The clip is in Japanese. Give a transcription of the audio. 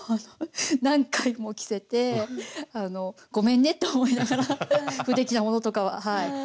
何回も着せてごめんねって思いながら不出来なものとかははい。